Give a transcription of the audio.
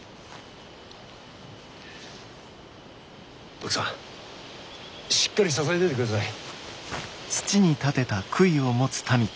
奥さんしっかり支えててください。